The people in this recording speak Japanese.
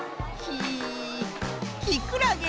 きくらげ。